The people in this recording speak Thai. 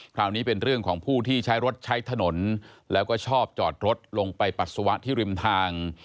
คราวนี้เป็นเรื่องของผู้ที่ใช้รถใช้ถนนแล้วก็ชอบจอดรถลงไปปัสสาวะที่ริมทาง